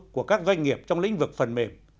của các doanh nghiệp trong lĩnh vực phần mềm